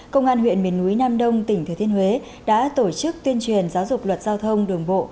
công an huyện miền núi nam đông tỉnh thừa thiên huế đã tổ chức tuyên truyền giáo dục luật giao thông đường bộ